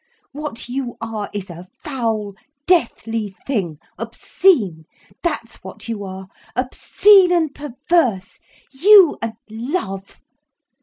What you are is a foul, deathly thing, obscene, that's what you are, obscene and perverse. You, and love!